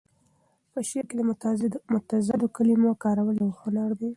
په شعر کې د متضادو کلمو کارول یو هنر دی.